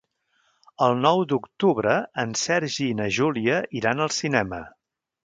El nou d'octubre en Sergi i na Júlia iran al cinema.